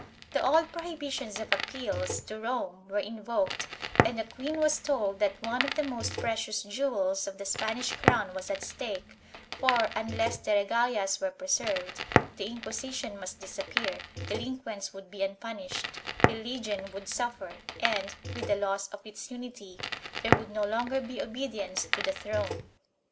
The old prohibitions of appeals to Rome were invoked and the queen was told that one of the most precious jewels of the Spanish crown was at stake, for, unless the regalias were preserved, the Inquisition must disappear, delinquents would be unpunished, religion would suffer and, with the loss of its unity, there would no longer be obedience to the throne.